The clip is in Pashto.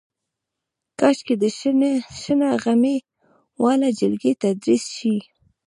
کاشکې د شنه غمي واله جلکۍ تدریس شي.